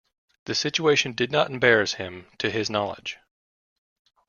The situation did not embarrass him, to his knowledge.